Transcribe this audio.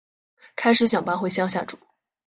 开始想搬回乡下住